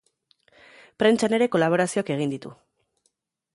Prentsan ere kolaborazioak egin ditu.